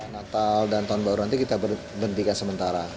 natal dan tahun baru nanti kita berhentikan sementara